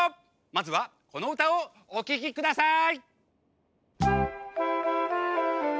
まずはこのうたをおききください！